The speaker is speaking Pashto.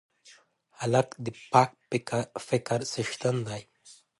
هلک د پاک فکر څښتن دی.